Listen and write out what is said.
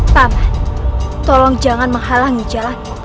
taman tolong jangan menghalangi jalan